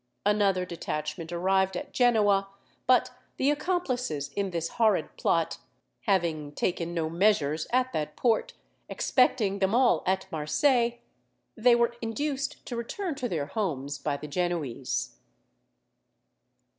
Another detachment arrived at Genoa; but the accomplices in this horrid plot having taken no measures at that port, expecting them all at Marseilles, they were induced to return to their homes by the Genoese.